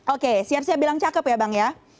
oke siap siap bilang cakep ya bang ya